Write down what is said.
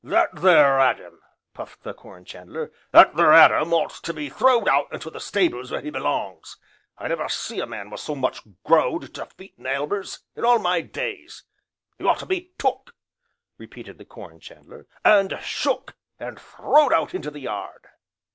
"That there Adam," puffed the Corn chandler, "that there Adam ought to be throwed out into the stables where he belongs. I never see a man as was so much growed to feet and elbers, in all my days! He ought to be took," repeated the Corn chandler, "and shook, and throwed out into the yard."